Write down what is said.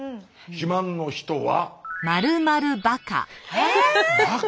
肥満の人は。